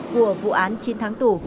của vụ án chín tháng một mươi